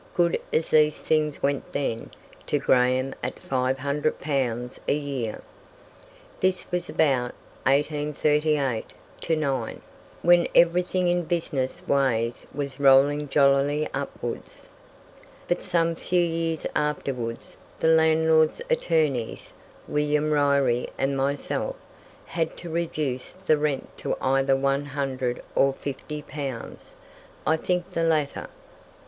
good as these things went then, to Graham, at 500 pounds a year. This was about 1838 9, when everything in business ways was rolling jollily upwards. But some few years afterwards the landlord's attorneys, William Ryrie and myself, had to reduce the rent to either 100 or 50 pounds I think the latter.